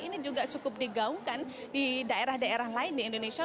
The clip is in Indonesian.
ini juga cukup digaungkan di daerah daerah lain di indonesia